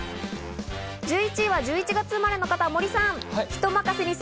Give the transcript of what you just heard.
１１位は１１月生まれの方、森さん。